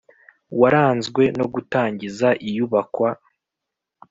waranzwe no gutangiza iyubakwa